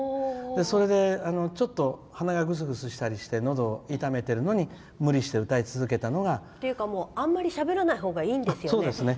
それで、ちょっと鼻がグズグズしたりしてのどを痛めているのに無理して歌い続けたのが。というかあまりしゃべらないほうがそうですね。